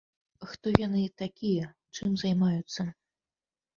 Хто яны такія, чым займаюцца?